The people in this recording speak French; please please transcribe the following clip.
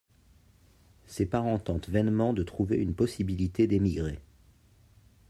Ses parents tentent vainement de trouver une possibilité d'émigrer.